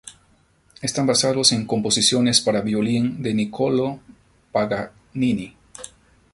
Están basados en composiciones para violín de Niccolò Paganini.